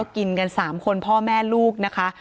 กินกัน๓คนพ่อแม่ลูกนะคะ